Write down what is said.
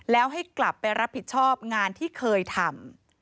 แล้วให้กลับไปรับผิดชอบงานที่เคยทำ